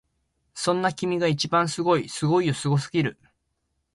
そんな君が一番すごいすごいよすごすぎる！